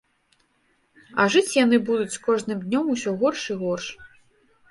А жыць яны будуць з кожным днём усё горш і горш.